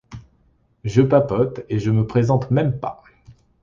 Je papote et je me présente même pas.